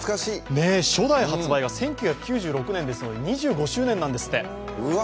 初代発売が１９９６年ですので２５周年なんですって。